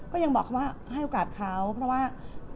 ก็ยังบอกเขาว่าให้โอกาสเขาเพราะว่า